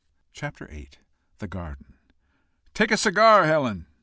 CHAPTER VIII. THE GARDEN. "Take a cigar, Helen?"